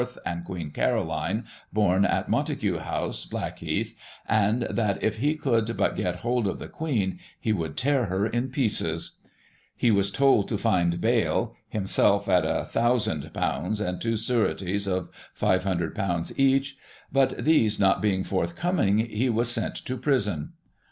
and Queen Caroline, bom at Montague House, Blackheath, and that, if he could but get hold of the Queen, he would tear her in pieces. He was told to find bail, himself in ;6^ 1,000, and two sureties of ;i6^500 each ; but these not being forthcoming, he was sent to prison.